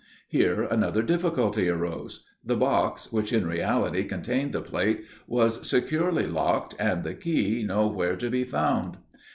Here another difficulty arose. The box, which in reality contained the plate, was securely locked, and the key nowhere to be found.